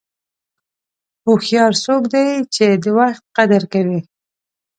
هوښیار څوک دی چې د وخت قدر کوي.